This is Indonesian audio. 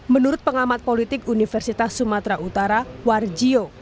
menurut pengamat politik universitas sumatera utara warjio